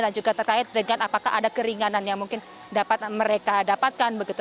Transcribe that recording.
juga terkait dengan apakah ada keringanan yang mungkin dapat mereka dapatkan begitu